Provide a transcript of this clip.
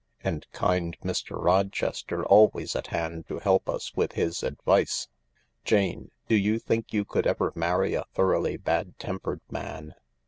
" And kind Mr. Rochester always at hand to help us with his advice. Jane, do you think you could ever marry a thoroughly bad tempered man